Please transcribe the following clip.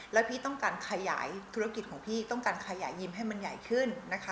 แล้วพี่ต้องการขยายธุรกิจของพี่ต้องการขยายยิ้มให้มันใหญ่ขึ้นนะคะ